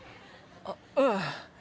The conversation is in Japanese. あっうん。